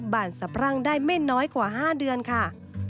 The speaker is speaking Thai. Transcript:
บานสะพรั่งได้ไม่น้อยกว่า๕เดือนค่ะ